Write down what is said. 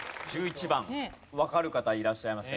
１１番わかる方いらっしゃいますか？